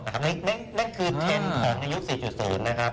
นั่นคือเทรนด์ของในยุค๔๐นะครับ